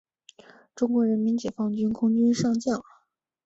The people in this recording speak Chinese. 中国人民解放军空军上将。